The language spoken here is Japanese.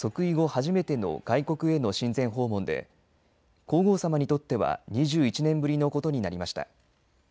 初めての外国への親善訪問で皇后さまにとっては２１年ぶりのことになりました。